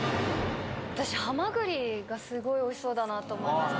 私。がすごいおいしそうだなと思いました。